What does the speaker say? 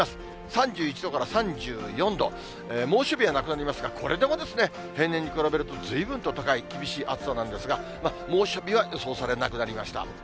３１度から３４度、猛暑日はなくなりますが、これでも平年に比べると、ずいぶんと高い、厳しい暑さなんですが、猛暑日は予想されなくなりました。